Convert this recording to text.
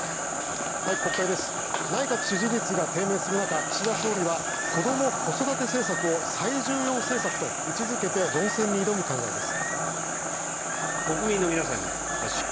内閣支持率が低迷する中岸田総理は子ども・子育て政策を最重要政策と位置付けて論戦に挑む考えです。